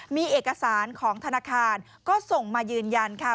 มีเอกสารของธนาคารก็ส่งมายืนยันค่ะ